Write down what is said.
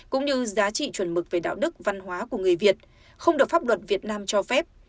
cũng như giá trị chuẩn mực về đạo đức văn hóa của người việt không được pháp luật việt nam cho phép